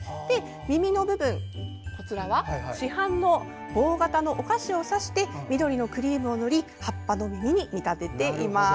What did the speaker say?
耳の部分は市販の棒形のお菓子を挿して緑のクリームを塗り葉っぱの耳に見立てています。